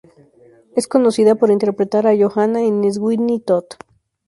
Es conocida por interpretar a Johanna en "Sweeney Todd".